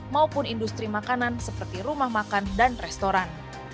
maupun industri makanan seperti rumah makan dan restoran